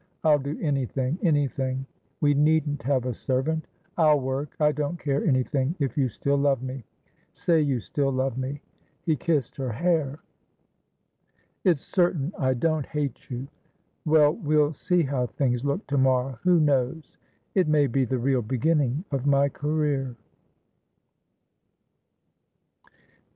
I'll do anything, anything! We needn't have a servant. I'll workI don't care anything if you still love me. Say you still love me!" He kissed her hair. "It's certain I don't hate you. Well, we'll see how things look to morrow. Who knows? It may be the real beginning of my career!"